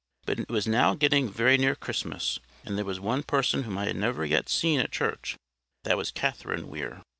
But it was now getting very near Christmas, and there was one person whom I had never yet seen at church: that was Catherine Weir.